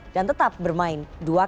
dan tetap bermain